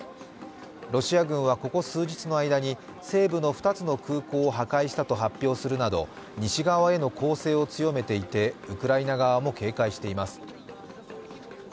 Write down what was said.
ロシア軍はここ数日の間に西部の２つの空港を破壊したと発表するなど西側への攻勢を強めていて、ウクライナ側も警戒しています。